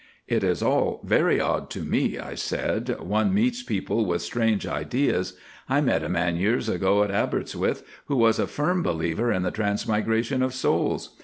"It is all very odd to me," I said, "one meets people with strange ideas. I met a man years ago at Aberystwith who was a firm believer in the transmigration of souls.